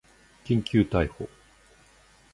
緊急逮捕